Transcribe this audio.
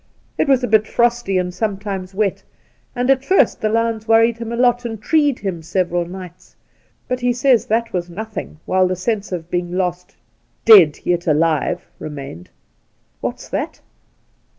It was a bit frosty, and sometimes wet, and at first the lions worried him a lot and treed him several nights; but he says that that was nothing, while the sense of being lost — dead, yet alive — remained. What's that